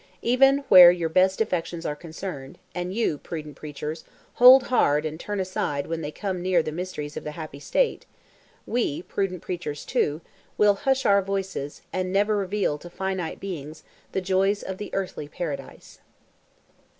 Even where your best affections are concerned, and you, prudent preachers, "hold hard" and turn aside when they come near the mysteries of the happy state, and we (prudent preachers too), we will hush our voices, and never reveal to finite beings the joys of the "earthly paradise."